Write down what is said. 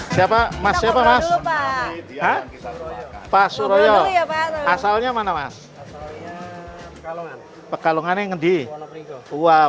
siapa mas siapa mas pak suroyo asalnya mana mas kalau kalau neng di uang